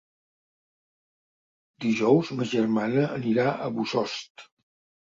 Dijous ma germana anirà a Bossòst.